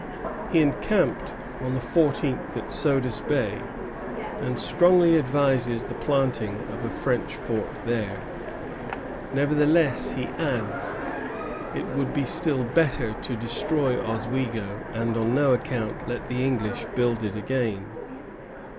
He encamped on the fourteenth at Sodus Bay, and strongly advises the planting of a French fort there. "Nevertheless," he adds, "it would be still better to destroy Oswego, and on no account let the English build it again."